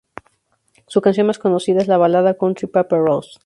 Su canción más conocida es la balada country "Paper Roses.